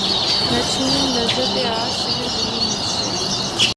نہ چھین لذت آہ سحرگہی مجھ سے